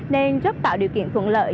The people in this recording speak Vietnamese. nên rất tạo điều kiện phụng lợi